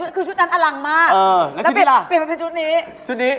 เปลี่ยนมาเป็นชุดนี้